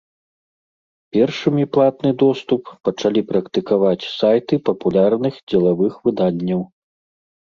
Першымі платны доступ пачалі практыкаваць сайты папулярных дзелавых выданняў.